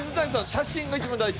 写真が一番大事？